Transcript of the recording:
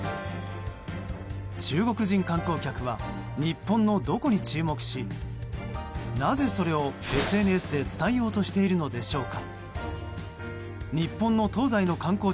中国人観光客は日本のどこに注目しなぜ、それをＳＮＳで伝えようとしているのでしょうか。